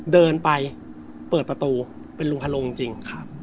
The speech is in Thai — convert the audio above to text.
เดินไปเปิดประตูเป็นลุงฮาโลจริง